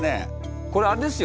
これあれですよ